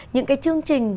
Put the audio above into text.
những cái chương trình